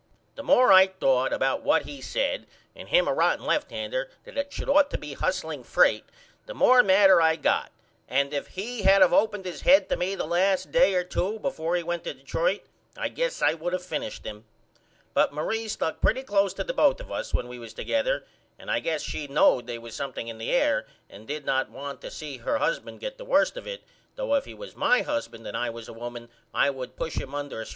The more I thought about what he said and him a rotten left hander that should ought to be hussling freiht the more madder I got and if he had of opened his head to me the last day or 2 before he went to Detroit I guess I would of finished him. But Marie stuck pretty close to the both of us when we was together and I guess she knowed they was something in the air and did not want to see her husband get the worst of it though if he was my husband and I was a woman I would push him under a st.